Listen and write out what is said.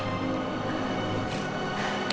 jika kamu tidak insin menguasainya